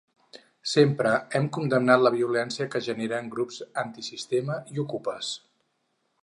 Sempre hem condemnat la violència que generen grups antisistema i okupes.